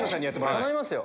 頼みますよ。